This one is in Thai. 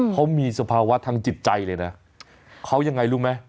เขามีสภาวะทางจิตใจเลยนะเขายังไงรู้ไหม